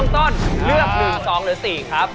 ต้นเลือก๑๒หรือ๔ครับ